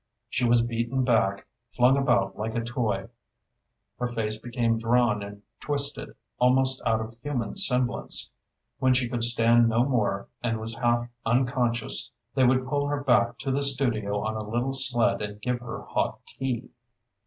She was beaten back, flung about like a toy. Her face became drawn and twisted, almost out of human semblance. When she could stand no more, and was half unconscious, they would pull her back to the studio on a little sled and give her hot tea.